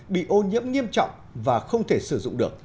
bị ô nhiễm nghiêm trọng và không thể sử dụng được